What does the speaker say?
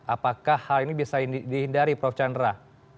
apakah hal ini bisa dihindari prof chandra